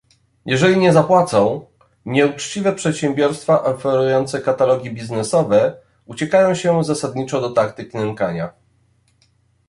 Jeśli nie zapłacą, nieuczciwe przedsiębiorstwa oferujące katalogi biznesowe uciekają się zasadniczo do taktyk nękania